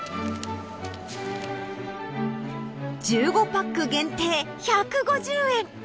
１５パック限定１５０円。